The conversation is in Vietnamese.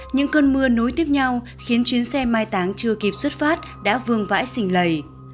những cơn mưa nối tiếp nhau khiến chuyến xe mai táng chưa kịp xuất phát đã vương vãi xình lầy